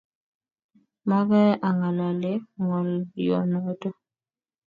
Magaye angalale ngolyonoto